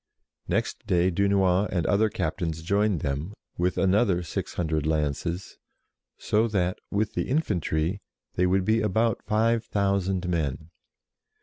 Next day Dunois and other captains joined them with another six hundred lances, so that, with the infantry, they would be about five thousand men.